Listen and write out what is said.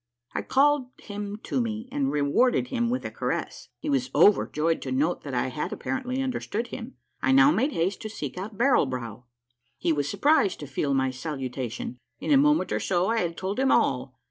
I called him to me and rewarded him with a caress. He was overjoyed to note that I had apparently understood him. I now made haste to seek out Barrel Brow. He was surprised to feel my salutation. In a moment or so I had told him all.